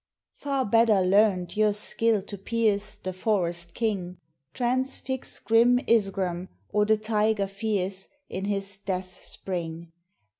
Far better learned your skill to pierce The forest King; Transfix grim Isgram, or the tiger fierce, In his death spring.